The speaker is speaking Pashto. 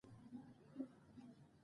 نو هغه به دا کانټنجنټ ګڼي